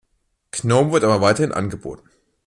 Gnome wird aber weiterhin angeboten.